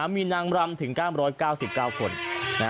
มีนางรำถึง๙๙๙คน